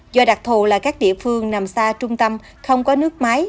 do đặc thù là các địa phương nằm xa trung tâm không có nước máy